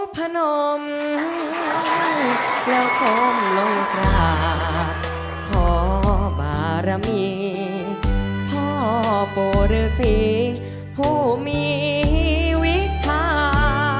เพราะบารมีเพราะปฏิเสธผู้มีวิทยา